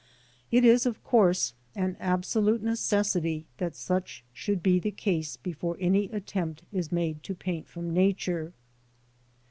It is, of course, an absolute necessity that such should be the case before any attempt is made to paint from Nature.